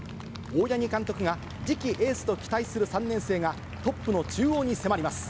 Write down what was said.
大八木監督が、次期エースと期待する３年生が、トップの中央に迫ります。